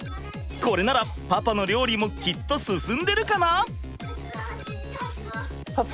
これならパパの料理もきっと進んでるかな？